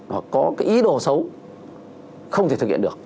hoặc có cái ý đồ xấu không thể thực hiện được